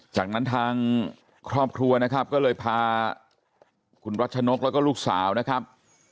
จากนั้นทางครอบครัวนะครับก็เลยพาคุณรัชนกแล้วก็ลูกสาวนะครับ